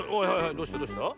どうしたどうした？